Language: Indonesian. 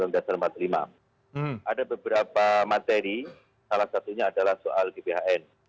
ada beberapa materi salah satunya adalah soal gbhn